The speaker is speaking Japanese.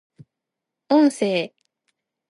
音声